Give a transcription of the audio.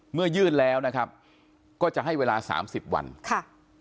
ยื่นแล้วนะครับก็จะให้เวลาสามสิบวันค่ะ